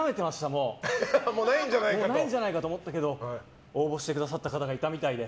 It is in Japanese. もうないんじゃないかと思ったけど応募してくださった方がいたみたいで。